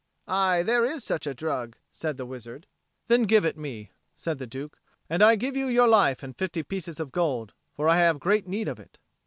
"Aye, there is such a drug," said the wizard. "Then give it me," said the Duke; "and I give you your life and fifty pieces of gold. For I have great need of it."